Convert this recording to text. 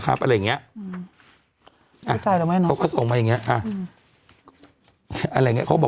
สบกว่าใครใหม่กว่าเดิม